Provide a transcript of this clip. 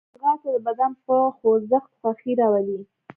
ځغاسته د بدن په خوځښت خوښي راولي